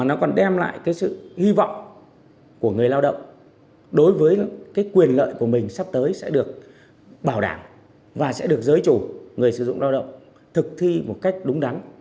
nó còn đem lại cái sự hy vọng của người lao động đối với quyền lợi của mình sắp tới sẽ được bảo đảm và sẽ được giới chủ người sử dụng lao động thực thi một cách đúng đắn